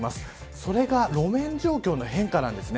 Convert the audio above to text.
それが路面状況の変化です。